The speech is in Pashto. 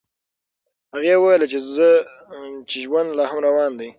هغې وویل چې ژوند لا هم روان دی.